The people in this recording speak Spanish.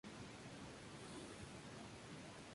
Es el quinto álbum con más ventas certificadas en España.